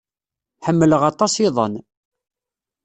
Ḥemmleɣ aṭas iḍan.